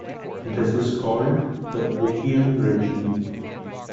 This was called the "opium-regime".